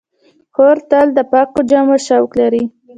خور تل د پاکو جامو شوق لري.